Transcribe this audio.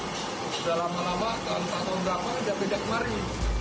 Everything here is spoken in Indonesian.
sudah lama lama tahun berapa sudah beda kemarin